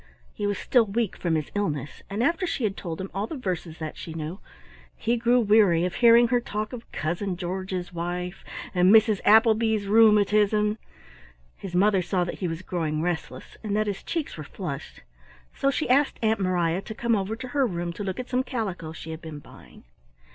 He was still weak from his illness, and after she had told him all the verses that she knew, he grew weary of hearing her talk of Cousin George's wife, and Mrs. Appleby's rheumatism. His mother saw that he was growing restless and that his cheeks were flushed, so she asked Aunt Mariah to come over to her room to look at some calico she had been buying.